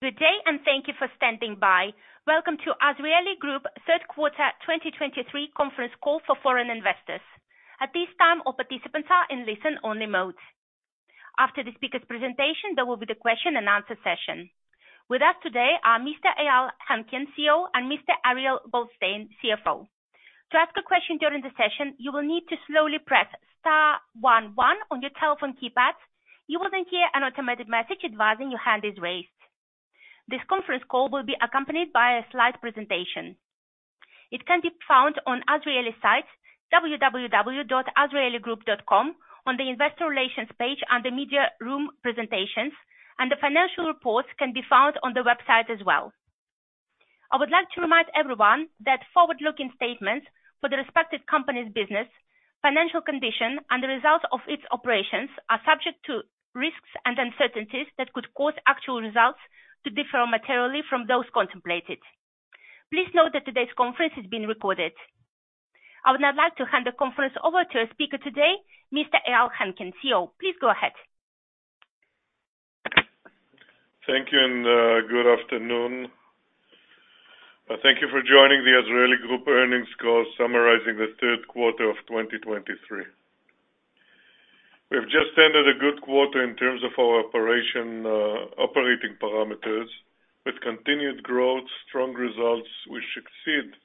Good day, and thank you for standing by. Welcome to Azrieli Group third quarter 2023 conference call for foreign investors. At this time, all participants are in listen-only mode. After the speaker's presentation, there will be the question and answer session. With us today are Mr. Eyal Henkin, CEO, and Mr. Ariel Goldstein, CFO. To ask a question during the session, you will need to slowly press star one one on your telephone keypad. You will then hear an automated message advising your hand is raised. This conference call will be accompanied by a slide presentation. It can be found on Azrieli's site, www.azrieligroup.com, on the Investor Relations page, under Media Room presentations, and the financial reports can be found on the website as well. I would like to remind everyone that forward-looking statements for the respective company's business, financial condition, and the results of its operations are subject to risks and uncertainties that could cause actual results to differ materially from those contemplated. Please note that today's conference is being recorded. I would now like to hand the conference over to our speaker today, Mr. Eyal Henkin, CEO. Please go ahead. Thank you, and good afternoon. Thank you for joining the Azrieli Group earnings call, summarizing the third quarter of 2023. We have just ended a good quarter in terms of our operation, operating parameters, with continued growth, strong results, which exceed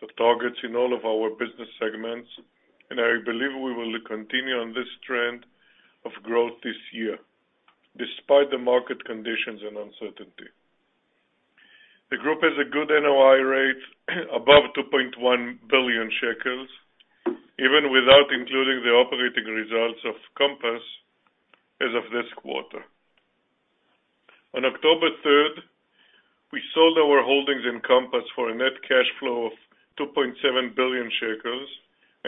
the targets in all of our business segments, and I believe we will continue on this trend of growth this year, despite the market conditions and uncertainty. The group has a good NOI rate, above 2.1 billion shekels, even without including the operating results of Compass as of this quarter. On October third, we sold our holdings in Compass for a net cash flow of 2.7 billion shekels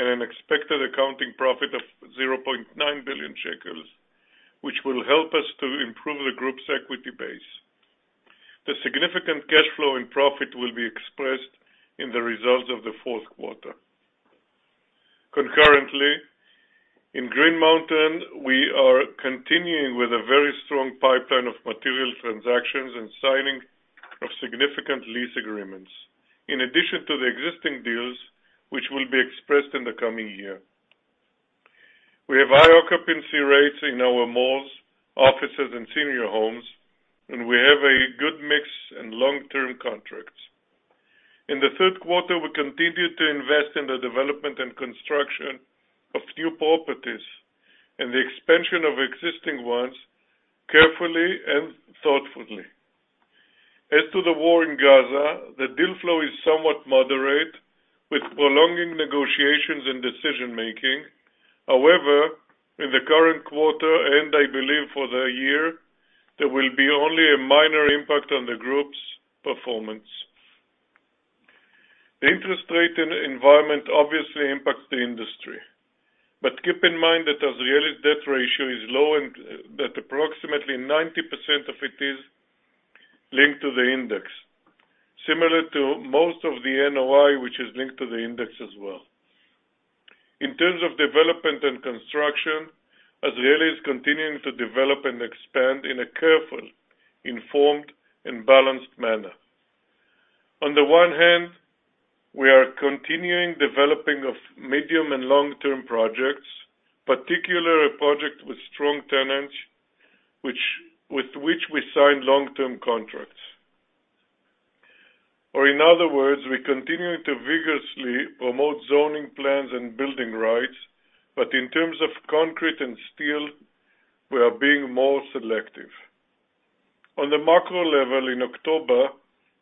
and an expected accounting profit of 0.9 billion shekels, which will help us to improve the group's equity base. The significant cash flow and profit will be expressed in the results of the fourth quarter. Concurrently, in Green Mountain, we are continuing with a very strong pipeline of material transactions and signing of significant lease agreements, in addition to the existing deals, which will be expressed in the coming year. We have high occupancy rates in our malls, offices and senior homes, and we have a good mix and long-term contracts. In the third quarter, we continued to invest in the development and construction of new properties and the expansion of existing ones carefully and thoughtfully. As to the war in Gaza, the deal flow is somewhat moderate, with prolonging negotiations and decision-making. However, in the current quarter, and I believe for the year, there will be only a minor impact on the group's performance. The interest rate and environment obviously impacts the industry, but keep in mind that Azrieli's debt ratio is low and that approximately 90% of it is linked to the index, similar to most of the NOI, which is linked to the index as well. In terms of development and construction, Azrieli is continuing to develop and expand in a careful, informed and balanced manner. On the one hand, we are continuing developing of medium and long-term projects, particularly a project with strong tenants, which, with which we sign long-term contracts. Or in other words, we continue to vigorously promote zoning plans and building rights, but in terms of concrete and steel, we are being more selective. On the macro level, in October,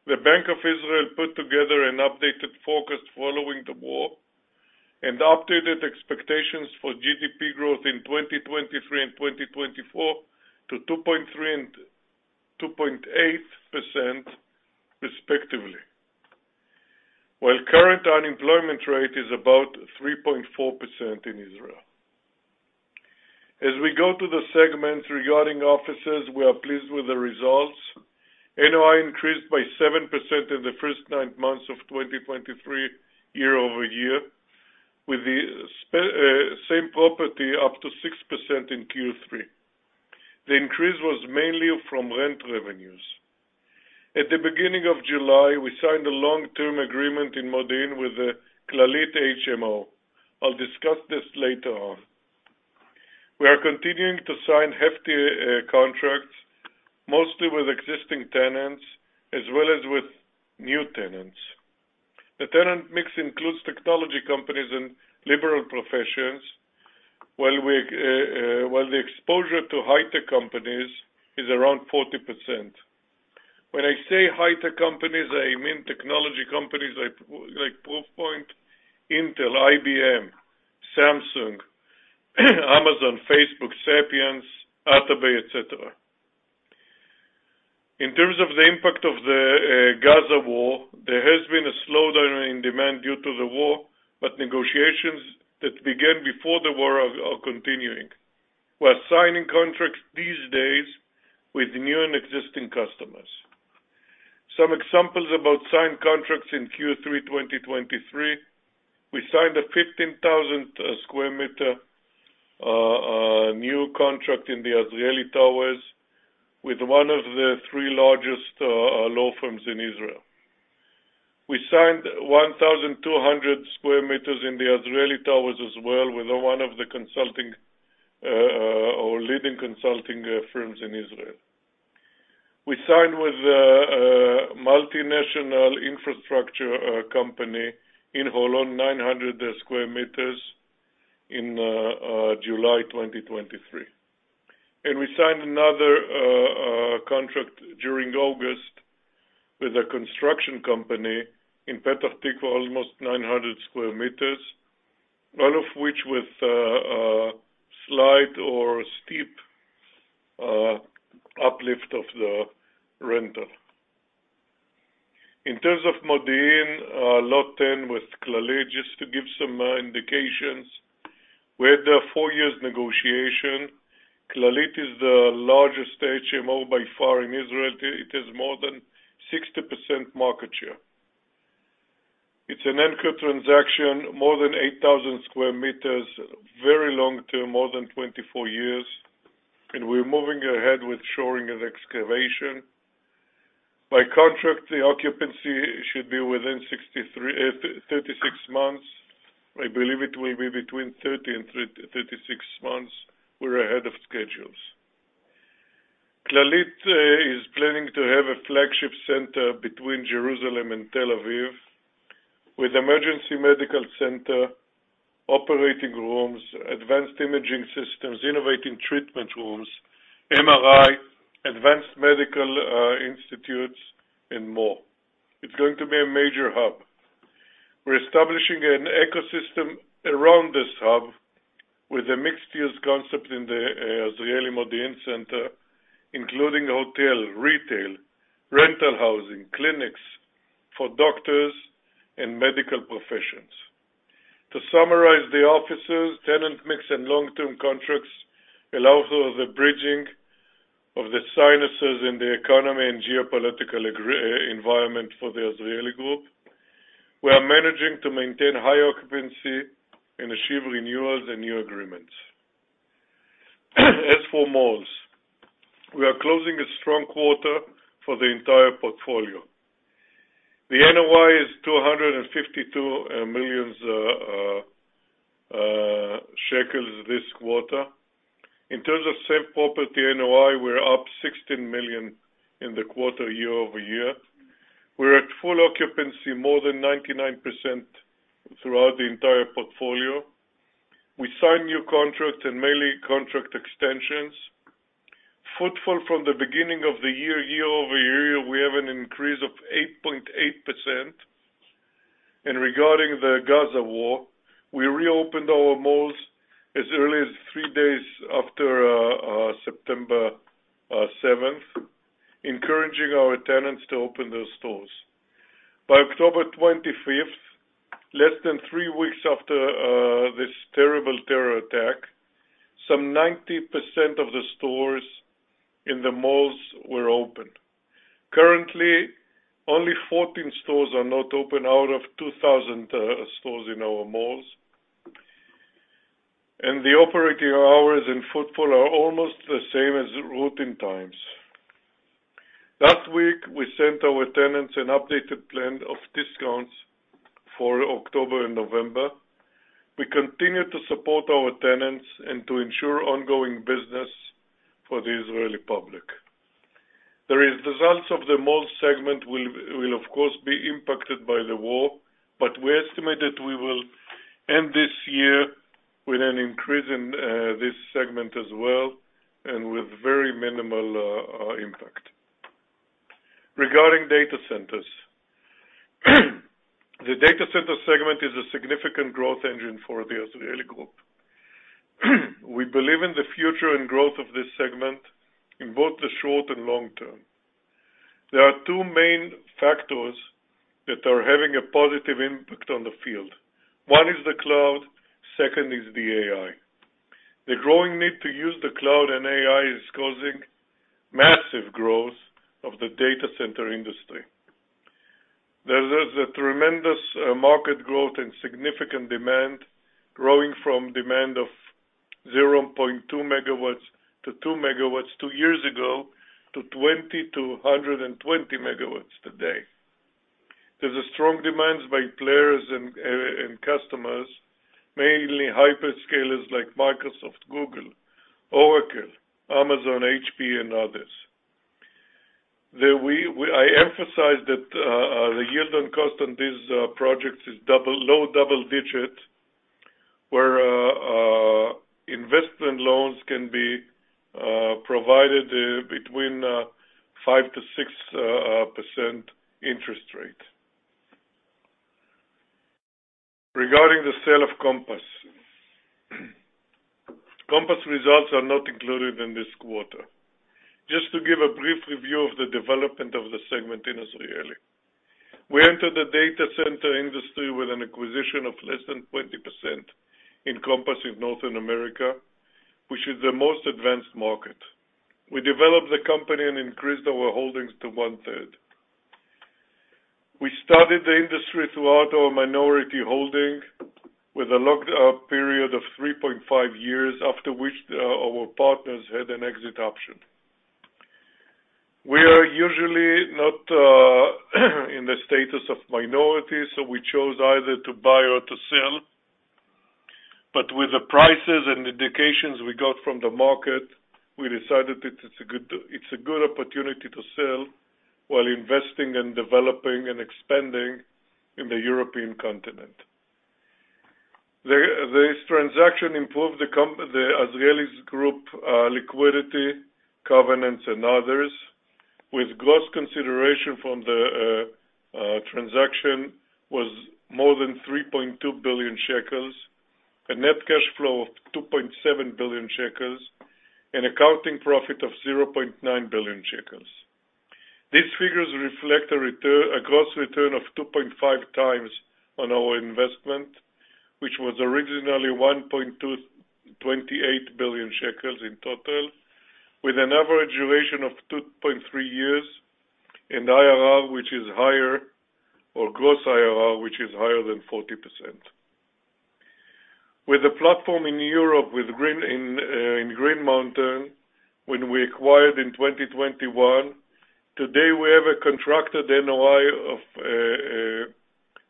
the Bank of Israel put together an updated forecast following the war and updated expectations for GDP growth in 2023 and 2024 to 2.3% and 2.8% respectively, while current unemployment rate is about 3.4% in Israel. As we go to the segments regarding offices, we are pleased with the results. NOI increased by 7% in the first nine months of 2023, year-over-year, with the same property up to 6% in Q3. The increase was mainly from rent revenues. At the beginning of July, we signed a long-term agreement in Modi'in with the Clalit HMO. I'll discuss this later on. We are continuing to sign hefty contracts, mostly with existing tenants, as well as with new tenants. The tenant mix includes technology companies and liberal professions, while we, while the exposure to high-tech companies is around 40%. When I say high-tech companies, I mean technology companies like, like Proofpoint, Intel, IBM, Samsung, Amazon, Facebook, Sapiens, A, et cetera. In terms of the impact of the, Gaza war, there has been a slowdown in demand due to the war, but negotiations that began before the war are, are continuing. We're signing contracts these days with new and existing customers. Some examples about signed contracts in Q3 2023. We signed a 15,000 square meters new contract in the Azrieli Towers with one of the three largest law firms in Israel. We signed 1,200 square meters in the Azrieli Towers as well, with one of the consulting, or leading consulting firms in Israel. We signed with a multinational infrastructure company in Holon, 900 square meters in July 2023. We signed another contract during August with a construction company in Petah Tikva, almost 900 square meters, all of which with slight or steep uplift of the rental. In terms of Modi'in, Lot 10 with Clalit, just to give some indications. We had a four years negotiation. Clalit is the largest HMO by far in Israel. It is more than 60% market share. It's an anchor transaction, more than 8,000 square meters, very long term, more than 24 years, and we're moving ahead with shoring and excavation. By contract, the occupancy should be within 36 months. I believe it will be between 30 and 36 months. We're ahead of schedules. Clalit is planning to have a flagship center between Jerusalem and Tel Aviv, with emergency medical center, operating rooms, advanced imaging systems, innovating treatment rooms, MRI, advanced medical institutes, and more. It's going to be a major hub. We're establishing an ecosystem around this hub with a mixed-use concept in the Azrieli Modi'in Center, including hotel, retail, rental housing, clinics for doctors and medical professions. To summarize the offices, tenant mix and long-term contracts allow for the bridging of the cycles in the economy and geopolitical environment for the Azrieli Group. We are managing to maintain high occupancy and achieve renewals and new agreements. As for malls, we are closing a strong quarter for the entire portfolio. The NOI is 252 million shekels this quarter. In terms of same-property NOI, we're up 16 million in the quarter, year-over-year. We're at full occupancy, more than 99% throughout the entire portfolio. We signed new contracts and mainly contract extensions. Footfall from the beginning of the year, year-over-year, we have an increase of 8.8%. Regarding the Gaza war, we reopened our malls as early as three days after September 7th, encouraging our tenants to open their stores. By October 25th, less than three weeks after this terrible terror attack, some 90% of the stores in the malls were opened. Currently, only 14 stores are not open out of 2,000 stores in our malls, and the operating hours and footfall are almost the same as routine times. Last week, we sent our tenants an updated plan of discounts for October and November. We continue to support our tenants and to ensure ongoing business for the Israeli public. The results of the mall segment will of course be impacted by the war, but we estimate that we will end this year with an increase in this segment as well and with very minimal impact. Regarding data centers, the data center segment is a significant growth engine for the Azrieli Group. We believe in the future and growth of this segment in both the short and long term. There are two main factors that are having a positive impact on the field. One is the cloud, second is the AI. The growing need to use the cloud and AI is causing massive growth of the data center industry. There is a tremendous market growth and significant demand, growing from demand of 0.2 MW-2 MW two years ago, to 20 MW-120 MW today. There's a strong demand by players and customers, mainly hyperscalers like Microsoft, Google, Oracle, Amazon, HP, and others. I emphasize that the yield on cost on these projects is double-digit, low double-digit, where investment loans can be provided between 5%-6% interest rate. Regarding the sale of Compass. Compass results are not included in this quarter. Just to give a brief review of the development of the segment in Azrieli. We entered the data center industry with an acquisition of less than 20%, in Compass in North America, which is the most advanced market. We developed the company and increased our holdings to 1/3. We started the industry throughout our minority holding, with a lock-up period of 3.5 years, after which our partners had an exit option. We are usually not in the status of minority, so we chose either to buy or to sell. But with the prices and indications we got from the market, we decided it is a good, it's a good opportunity to sell, while investing and developing and expanding in the European continent. This transaction improved the Azrieli Group liquidity, covenants, and others, with gross consideration from the transaction was more than 3.2 billion shekels, a net cash flow of 2.7 billion shekels, and accounting profit of 0.9 billion shekels. These figures reflect a return, a gross return of 2.5x on our investment, which was originally 1.228 billion shekels in total, with an average duration of 2.3 years, and IRR, which is higher, or gross IRR, which is higher than 40%. With a platform in Europe, with Green Mountain, when we acquired in 2021, today, we have a contracted NOI of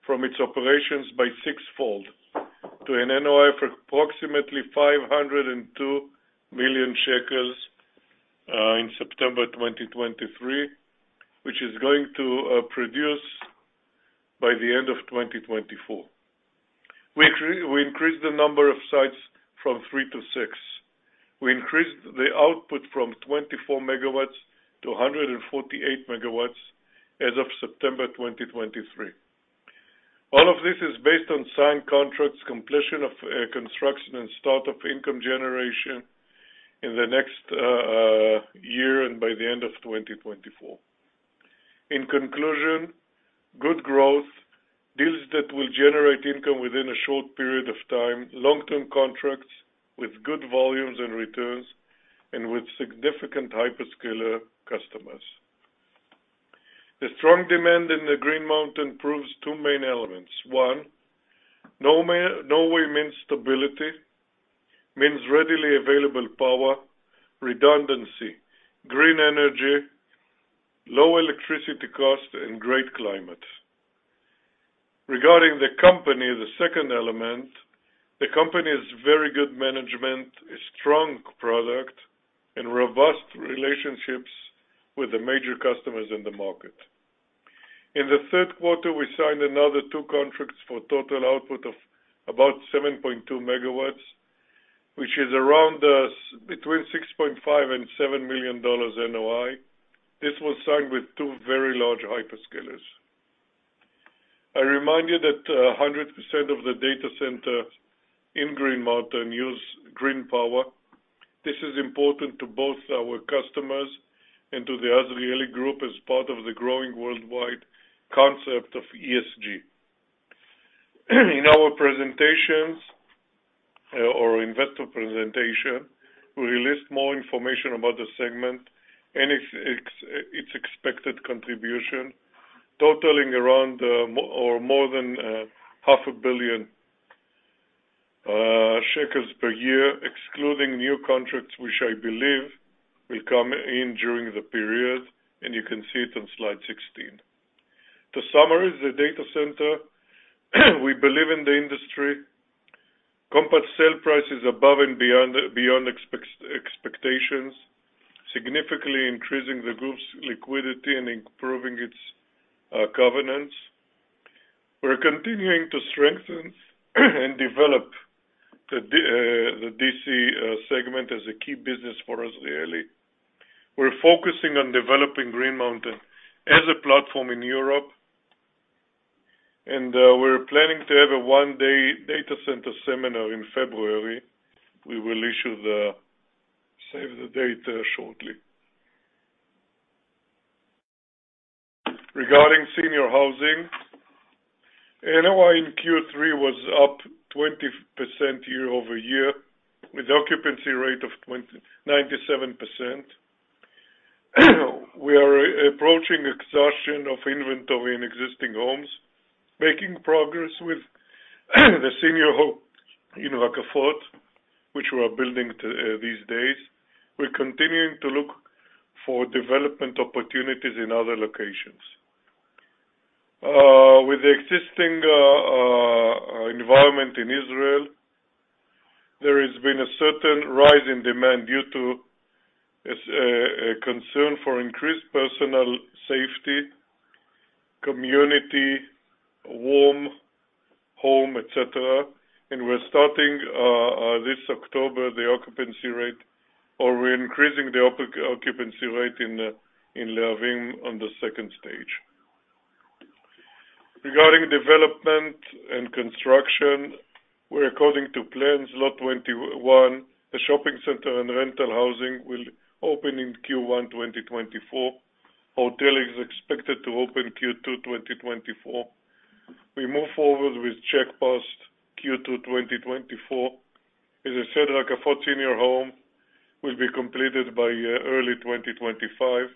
from its operations by sixfold, to an NOI for approximately 502 million shekels in September 2023, which is going to produce by the end of 2024. We increased the number of sites from 3-6. We increased the output from 24 MW to 148 MW as of September 2023. All of this is based on signed contracts, completion of construction and start of income generation in the next year, and by the end of 2024. In conclusion, good growth, deals that will generate income within a short period of time, long-term contracts with good volumes and returns, and with significant hyperscaler customers. The strong demand in the Green Mountain proves two main elements. One, Norway, Norway means stability, means readily available power, redundancy, green energy, low electricity cost, and great climate. Regarding the company, the second element, the company has very good management, a strong product, and robust relationships with the major customers in the market. In the third quarter, we signed another two contracts for total output of about 7.2 MW, which is around between $6.5 million and $7 million NOI. This was signed with two very large hyperscalers. I remind you that 100% of the data centers in Green Mountain use green power. This is important to both our customers and to the Azrieli Group as part of the growing worldwide concept of ESG. In our presentations or investor presentation, we list more information about the segment and its expected contribution, totaling around or more than half a billion shekels per year, excluding new contracts, which I believe will come in during the period, and you can see it on slide 16. To summarize the data center, we believe in the industry. Compass sale prices above and beyond expectations, significantly increasing the group's liquidity and improving its covenants. We're continuing to strengthen and develop the DC segment as a key business for Azrieli. We're focusing on developing Green Mountain as a platform in Europe, and we're planning to have a one-day data center seminar in February. We will issue the save-the-date shortly. Regarding senior housing, NOI in Q3 was up 20% year-over-year, with occupancy rate of 97%. We are approaching exhaustion of inventory in existing homes, making progress with the senior home in Ra'anana, which we are building to these days. We're continuing to look for development opportunities in other locations. With the existing environment in Israel, there has been a certain rise in demand due to a concern for increased personal safety, community, warm home, et cetera. And we're starting this October, the occupancy rate, or we're increasing the occupancy rate in Lehavim on the second stage. Regarding development and construction, well according to plans Lot 21, the shopping center and rental housing will open in Q1 2024. Hotel is expected to open Q2 2024. We move forward with Check Post Q2 2024. As I said, the Lehavim senior home will be completed by early 2025.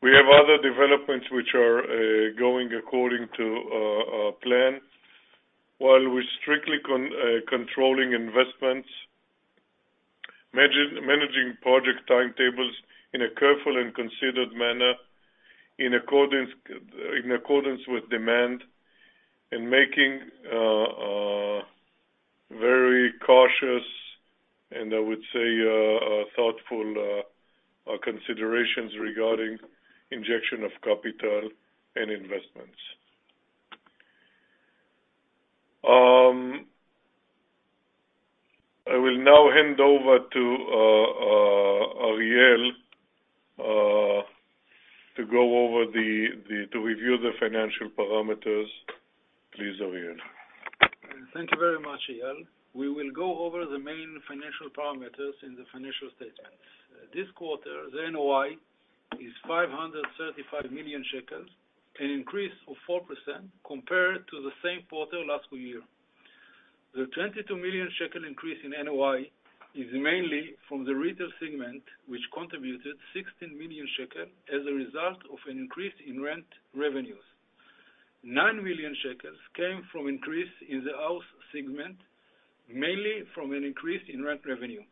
We have other developments which are going according to plan, while we're strictly controlling investments, managing project timetables in a careful and considered manner, in accordance with demand, and making very cautious, and I would say, thoughtful considerations regarding injection of capital and investments. I will now hand over to Ariel to review the financial parameters. Please, Ariel. Thank you very much, Eyal. We will go over the main financial parameters in the financial statements. This quarter, the NOI is 535 million shekels, an increase of 4% compared to the same quarter last year. The 22 million shekel increase in NOI is mainly from the retail segment, which contributed 16 million shekel as a result of an increase in rent revenues. 9 million shekels came from increase in the house segment, mainly from an increase in rent revenue.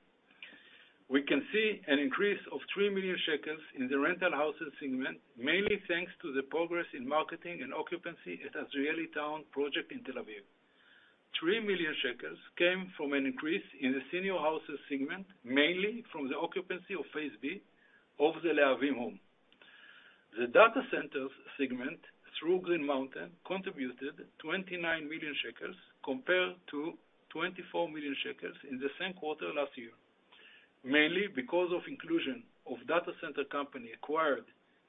We can see an increase of 3 million shekels in the rental houses segment, mainly thanks to the progress in marketing and occupancy at Azrieli Town project in Tel Aviv. 3 million shekels came from an increase in the senior houses segment, mainly from the occupancy of phase B of the Lehavim home. The data centers segment, through Green Mountain, contributed 29 million shekels compared to 24 million shekels in the same quarter last year, mainly because of inclusion of data center company acquired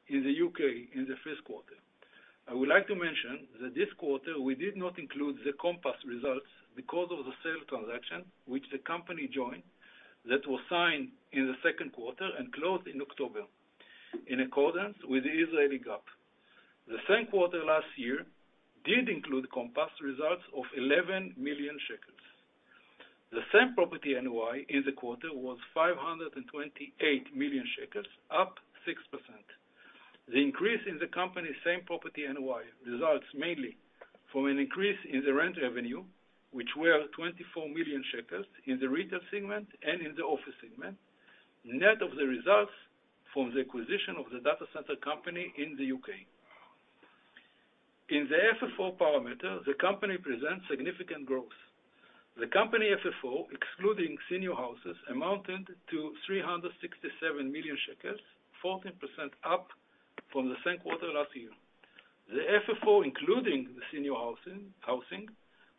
in the U.K. in the first quarter. I would like to mention that this quarter, we did not include the Compass results because of the sale transaction, which the company joined, that was signed in the second quarter and closed in October, in accordance with the Israeli GAAP. The same quarter last year did include Compass results of 11 million shekels. The same property NOI in the quarter was 528 million shekels, up 6%. The increase in the company's same-property NOI results mainly from an increase in the rent revenue, which were 24 million shekels in the retail segment and in the office segment, net of the results from the acquisition of the data center company in the U.K.. In the FFO parameter, the company presents significant growth. The company FFO, excluding senior houses, amounted to 367 million shekels, 14% up from the same quarter last year. The FFO, including the senior housing,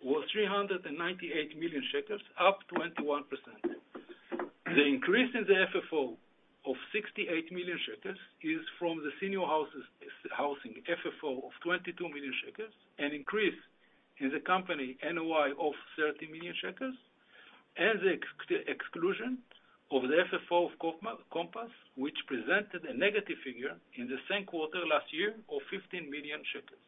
was 398 million shekels, up 21%. The increase in the FFO of 68 million shekels is from the senior housing FFO of 22 million shekels, an increase in the company NOI of 30 million shekels, and the exclusion of the FFO of Compass, which presented a negative figure in the same quarter last year of 15 million shekels.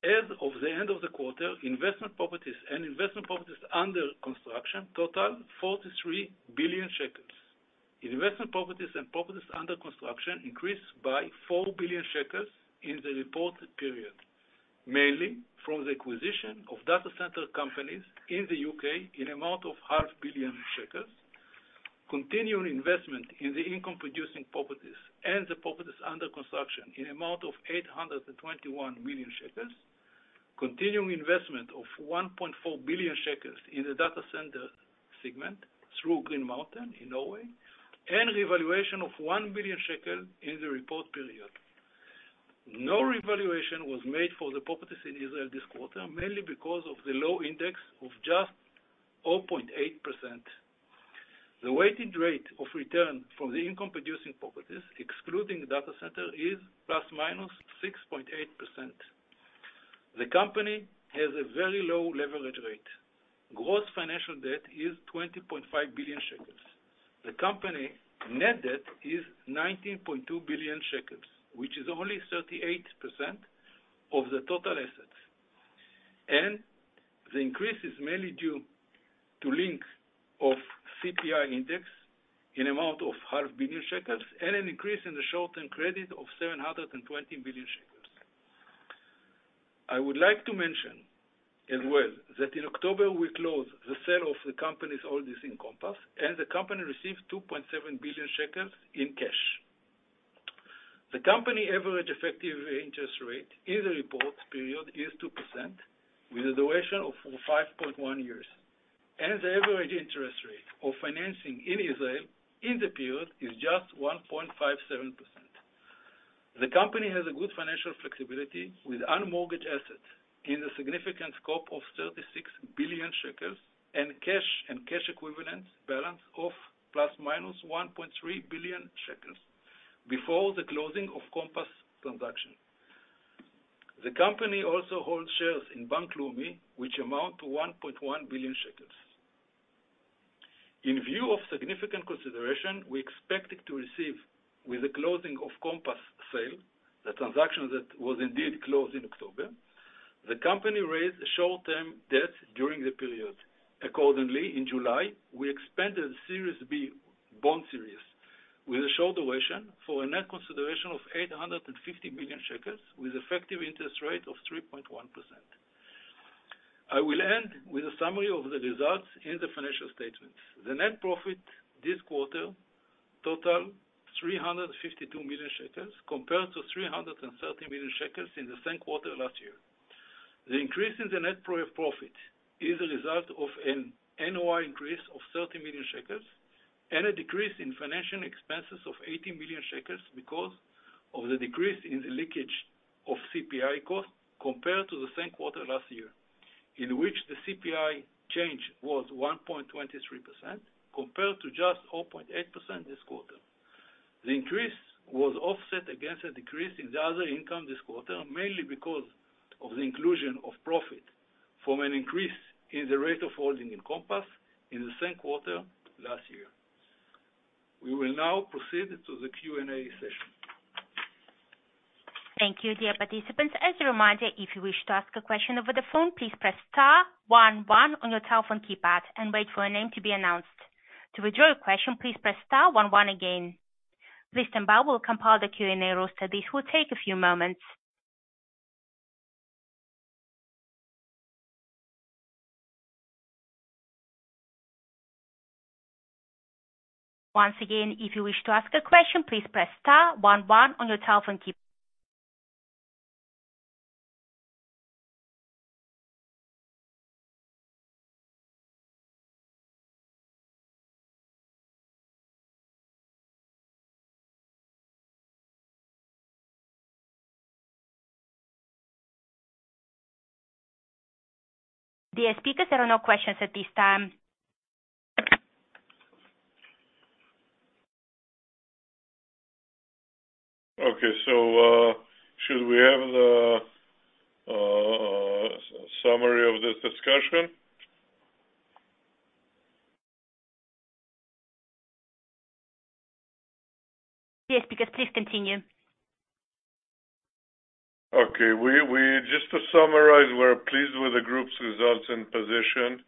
As of the end of the quarter, investment properties and investment properties under construction total 43 billion shekels. Investment properties and properties under construction increased by 4 billion shekels in the reported period, mainly from the acquisition of data center companies in the U.K. in amount of 500 million shekels, continuing investment in the income producing properties and the properties under construction in amount of 821 million shekels, continuing investment of 1.4 billion shekels in the data center segment through Green Mountain in Norway, and revaluation of 1 billion shekel in the report period. No revaluation was made for the properties in Israel this quarter, mainly because of the low index of just 0.8%. The weighted rate of return from the income producing properties, excluding data center, is ±6.8%. The company has a very low leverage rate. Gross financial debt is 20.5 billion shekels. The company net debt is 19.2 billion shekels, which is only 38% of the total assets, and the increase is mainly due to link of CPI index in amount of 0.5 billion shekels, and an increase in the short-term credit of 720 million shekels. I would like to mention as well, that in October, we closed the sale of the company's holdings in Compass, and the company received 2.7 billion shekels in cash. The company average effective interest rate in the report period is 2%, with a duration of 5.1 years, and the average interest rate of financing in Israel in the period is just 1.57%. The company has a good financial flexibility with unmortgaged assets in a significant scope of 36 billion shekels, and cash and cash equivalent balance of ± 1.3 billion shekels. Before the closing of Compass transaction. The company also holds shares in Bank Leumi, which amount to 1.1 billion shekels. In view of significant consideration, we expected to receive with the closing of Compass sale, the transaction that was indeed closed in October, the company raised a short-term debt during the period. Accordingly, in July, we expanded Series B bond series with a short duration for a net consideration of 850 million shekels, with effective interest rate of 3.1%. I will end with a summary of the results in the financial statements. The net profit this quarter totaled 352 million shekels, compared to 330 million shekels in the same quarter last year. The increase in the net profit is a result of an NOI increase of 30 million shekels, and a decrease in financial expenses of 80 million shekels because of the decrease in the linkage of CPI costs compared to the same quarter last year, in which the CPI change was 1.23%, compared to just 0.8% this quarter. The increase was offset against a decrease in the other income this quarter, mainly because of the inclusion of profit from an increase in the rate of holding in Compass in the same quarter last year. We will now proceed to the Q&A session. Thank you, dear participants. As a reminder, if you wish to ask a question over the phone, please press star one one on your telephone keypad and wait for your name to be announced. To withdraw your question, please press star one one again. Please stand by, we'll compile the Q&A roster. This will take a few moments. Once again, if you wish to ask a question, please press star one one on your telephone keypad. Dear speakers, there are no questions at this time. Okay, so, should we have the summary of this discussion? Yes, because. Please continue. Okay. Just to summarize, we're pleased with the group's results and position,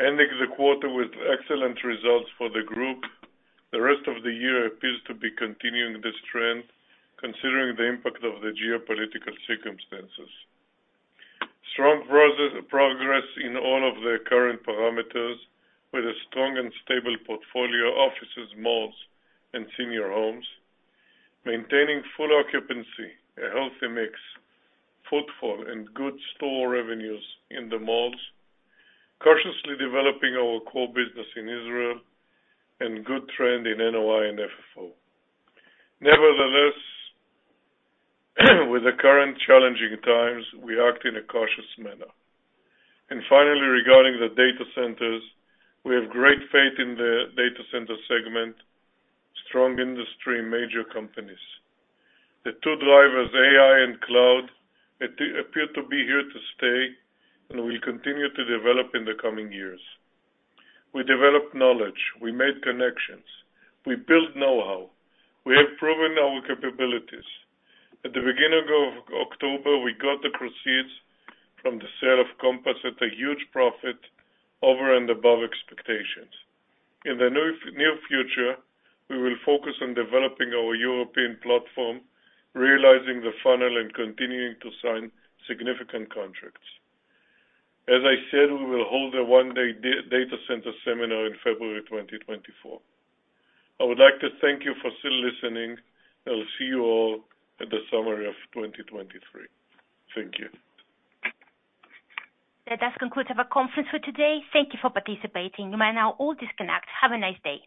ending the quarter with excellent results for the group. The rest of the year appears to be continuing this trend, considering the impact of the geopolitical circumstances. Strong progress in all of the current parameters, with a strong and stable portfolio, offices, malls, and senior homes, maintaining full occupancy, a healthy mix, footfall, and good store revenues in the malls, cautiously developing our core business in Israel, and good trend in NOI and FFO. Nevertheless, with the current challenging times, we act in a cautious manner. And finally, regarding the data centers, we have great faith in the data center segment, strong industry, and major companies. The two drivers, AI and cloud, it appear to be here to stay and will continue to develop in the coming years. We developed knowledge, we made connections, we built know-how. We have proven our capabilities. At the beginning of October, we got the proceeds from the sale of Compass at a huge profit, over and above expectations. In the near, near future, we will focus on developing our European platform, realizing the funnel, and continuing to sign significant contracts. As I said, we will hold a one-day data center seminar in February 2024. I would like to thank you for still listening, and I'll see you all at the summary of 2023. Thank you. That does conclude our conference for today. Thank you for participating. You may now all disconnect. Have a nice day.